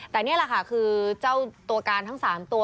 แต่นี่แหละค่ะคือเจ้าตัวการทั้ง๓ตัว